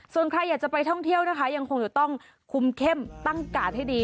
ส่วนใครอยากจะไปท่องเที่ยวนะคะยังคงจะต้องคุมเข้มตั้งกาดให้ดี